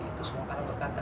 itu semua karena berkata